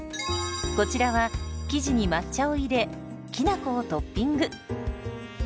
こちらは生地に抹茶を入れきなこをトッピング。